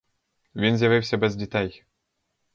Він з'явився без дітей.